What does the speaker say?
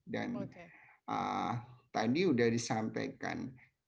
dan tadi sudah disampaikan